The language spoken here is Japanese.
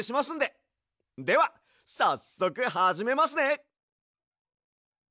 ではさっそくはじめますね！